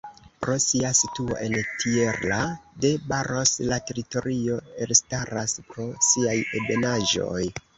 Pro sia situo en Tierra de Barros la teritorio elstaras pro siaj ebenaĵoj.